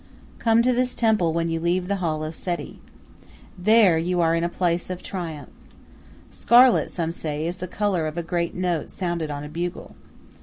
Come to this temple when you leave the hall of Seti. There you are in a place of triumph. Scarlet, some say, is the color of a great note sounded on a bugle.